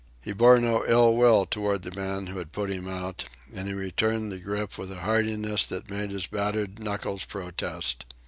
He bore no ill will toward the man who had put him out and he returned the grip with a heartiness that made his battered knuckles protest.